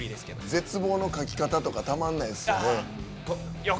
絶望の書き方とかたまんないっすよね。